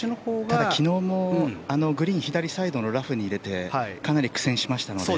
ただ、昨日もグリーン左サイドのラフに入れてかなり苦戦しましたので。